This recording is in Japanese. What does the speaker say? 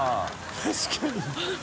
確かに。